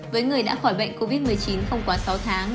với người đã khỏi bệnh covid một mươi chín không quá sáu tháng